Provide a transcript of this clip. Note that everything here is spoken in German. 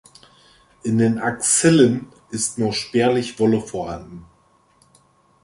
In den Axillen ist nur spärlich Wolle vorhanden.